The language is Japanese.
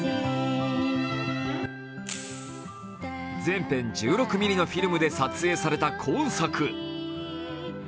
全編１６ミリのフィルムで撮影された今作。